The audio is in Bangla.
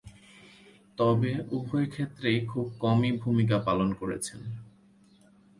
তবে, উভয়ক্ষেত্রেই খুব কমই ভূমিকা পালন করেছেন।